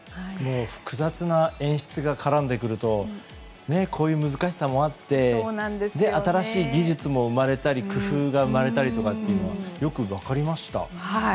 複雑な演出が絡んでくるとこういう難しさもあって新しい技術も生まれたり工夫が生まれたりというのが良く分かりました。